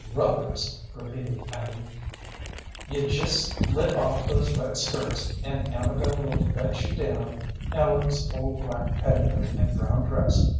"Rubbers!" repeated Abby. "You just slip off those wet skirts, and Amabel will fetch you down Ellen's old black petticoat and brown dress.